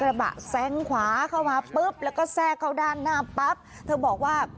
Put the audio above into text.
เราไม่น่าว่า